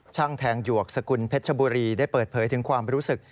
แทงแทงหยวกสกุลเพชรชบุรีได้เปิดเผยถึงความรู้สึก